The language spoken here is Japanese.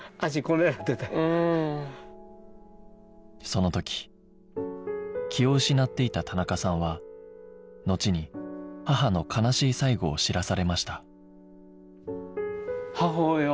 その時気を失っていた田中さんはのちに母の悲しい最期を知らされました